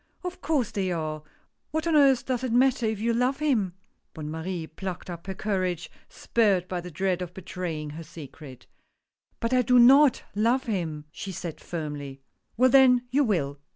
" Of course they are — what on earth does it matter, if you love him ?" Bonne Marie plucked up her courage, spurred by the dread of betraying her secret. " But I do not love him," she said firmly. "Well then, you will.